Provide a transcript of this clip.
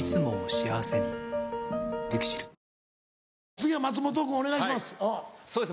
次は松本君お願いします。